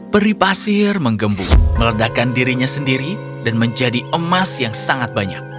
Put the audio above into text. peri pasir menggembung meledakan dirinya sendiri dan menjadi emas yang sangat banyak